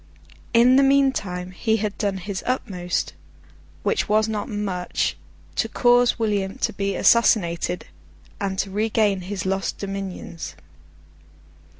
In the meantime he had done his utmost (which was not much) to cause William to be assassinated, and to regain his lost dominions.